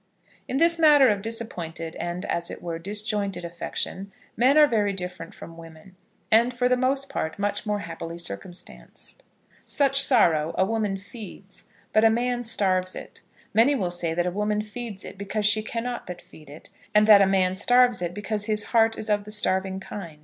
In this matter of disappointed and, as it were, disjointed affection, men are very different from women, and for the most part, much more happily circumstanced. Such sorrow a woman feeds; but a man starves it. Many will say that a woman feeds it, because she cannot but feed it; and that a man starves it, because his heart is of the starving kind.